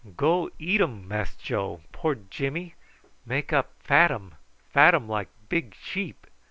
"Go eat um, Mass Joe, poor Jimmy. Make up fat um fat um like big sheep.